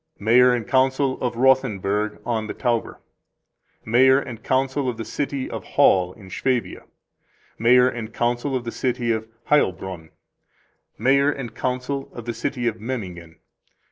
Mayor and Council of Rothenburg on the Tauber. Mayor and Council of the City of Hall in Swabia. Mayor and Council of the City of Heilbronn. Mayor and Council of the City of Memmingen.